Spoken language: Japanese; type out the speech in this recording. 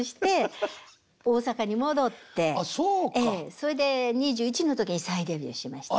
それで２１の時に再デビューしました。